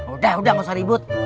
udah udah gak usah ribut